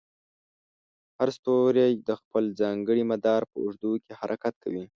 هر ستوری د خپل ځانګړي مدار په اوږدو کې حرکت کوي.